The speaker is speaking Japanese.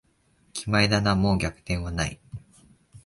決まりだな、もう逆転はない